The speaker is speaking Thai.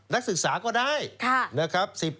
นักศึกษาก็ได้นะครับ